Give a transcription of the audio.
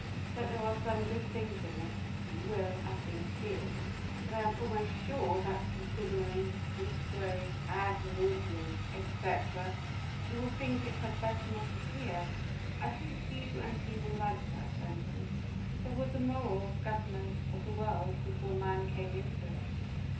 That there are some good things in it you will, I think, feel; but I am almost sure that considering usque ad nauseam etc., you will think it had better not appear. ... I think you and he will like that sentence: 'There was a moral government of the world before man came into it.